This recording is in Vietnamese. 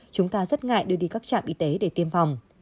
chúng ta rất ngại đưa đi các trạm y tế để tiêm phòng